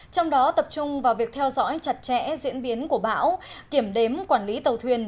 trong đó tập trung vào việc theo dõi chặt chẽ diễn biến của bão kiểm đếm quản lý tàu thuyền